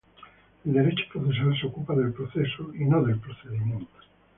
El derecho procesal se ocupa del proceso y no del procedimiento.